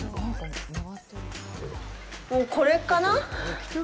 これかな？